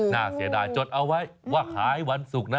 เสียดายจดเอาไว้ว่าขายวันศุกร์นะ